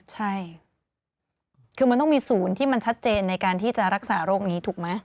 ใช่คือมันต้องมีศูนย์ที่มันชัดเจนในการที่จะรักษาโรคนี้ถูกไหม